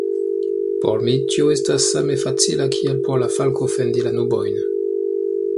Por mi tio estas same facila kiel por la falko fendi la nubojn.